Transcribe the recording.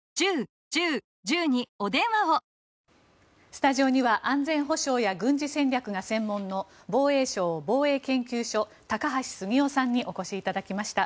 スタジオには安全保障や軍事戦略が専門の防衛省防衛研究所高橋杉雄さんにお越しいただきました。